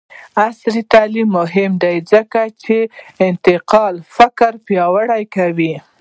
عصري تعلیم مهم دی ځکه چې انتقادي فکر پیاوړی کوي.